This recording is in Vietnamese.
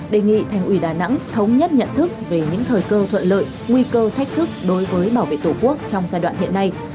đề nghị thành ủy đà nẵng thống nhất nhận thức về những thời cơ thuận lợi nguy cơ thách thức đối với bảo vệ tổ quốc trong giai đoạn hiện nay